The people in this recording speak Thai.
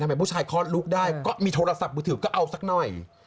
ผู้ชายคลอดลูกได้ก็มีโทรศัพท์มือถือก็เอาสักหน่อย